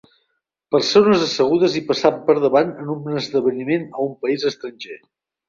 Persones assegudes i passant per davant en un esdeveniment a un país estranger.